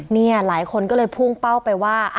นี่หลายคนก็เลยพุ่งเป้าไปว่า